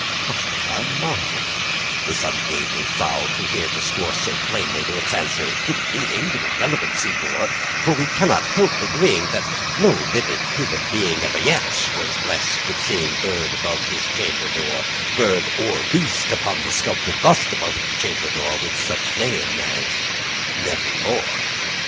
Much I marvelled this ungainly fowl to hear discourse so plainly, Though its answer little meaning—little relevancy bore; For we cannot help agreeing that no living human beingEver yet was blessed with seeing bird above his chamber door, Bird or beast upon the sculptured bust above his chamber door, With such name as "Nevermore."